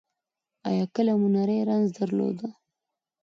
ایا کله مو نری رنځ درلود؟